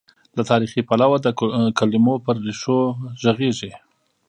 له تاریخي، پلوه د کلمو پر ریښو غږېږي.